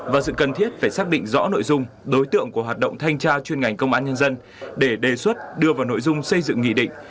và sự cần thiết phải xác định rõ nội dung đối tượng của hoạt động thanh tra chuyên ngành công an nhân dân để đề xuất đưa vào nội dung xây dựng nghị định